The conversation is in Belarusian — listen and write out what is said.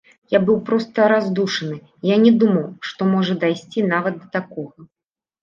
Я быў проста раздушаны, я не думаў, што можа дайсці нават да такога.